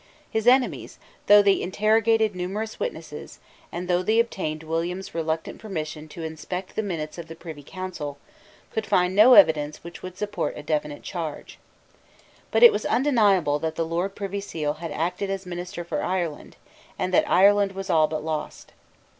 His enemies, though they interrogated numerous witnesses, and though they obtained William's reluctant permission to inspect the minutes of the Privy Council, could find no evidence which would support a definite charge, But it was undeniable that the Lord Privy Seal had acted as minister for Ireland, and that Ireland was all but lost.